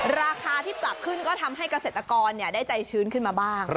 ราคาที่ปรับขึ้นก็ทำให้เกษตรกรได้ใจชื้นขึ้นมาบ้าง